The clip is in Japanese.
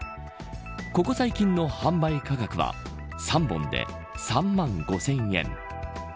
ここ最近の販売価格は３本で３万５０００円。